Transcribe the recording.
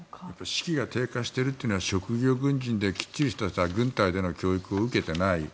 士気が低下しているというのは職業軍人で来ている人たちはザ・軍隊での教育を受けていない